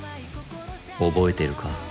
覚えてるか？